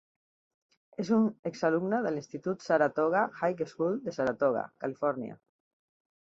És un exalumne de l'institut Saratoga High School de Saratoga, Califòrnia.